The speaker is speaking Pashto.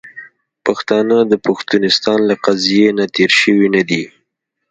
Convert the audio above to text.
پښتانه د پښتونستان له قضیې نه تیر شوي نه دي .